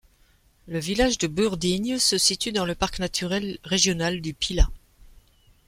Le village de Burdignes se situe dans le parc naturel régional du Pilat.